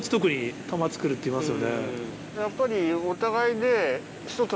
やっぱりお互い。